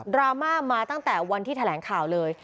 รามาตั้งแต่วันที่แถลงข่าวเลย